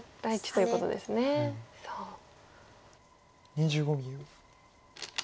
２５秒。